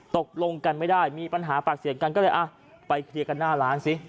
ตกลงกันไม่ได้มีปัญหาปากเสียงกันก็เลยอ่ะไปเคลียร์กันหน้าร้านสิ